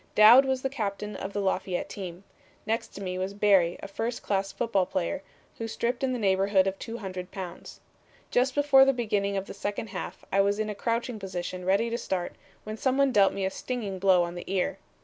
Dowd was the captain of the Lafayette team. Next to me was Barry, a first class football player, who stripped in the neighborhood of 200 pounds. Just before the beginning of the second half I was in a crouching position ready to start, when some one dealt me a stinging blow on the ear.